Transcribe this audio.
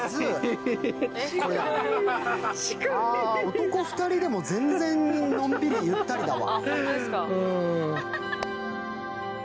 男２人でも全然のんびり、ゆったりだわ。